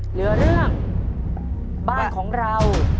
เหลือเรื่องบ้านของเรา